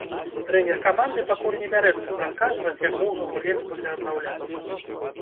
Трэнер каманды пакуль не бярэцца прадказваць, як доўга гулец будзе аднаўляцца.